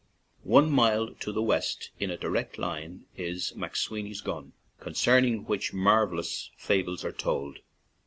One mile to the west in a direct line is "McSwine's Gun/' concerning which mar vellous fables are told.